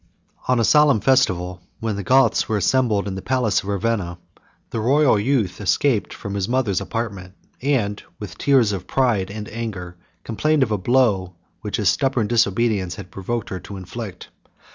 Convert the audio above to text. On a solemn festival, when the Goths were assembled in the palace of Ravenna, the royal youth escaped from his mother's apartment, and, with tears of pride and anger, complained of a blow which his stubborn disobedience had provoked her to inflict.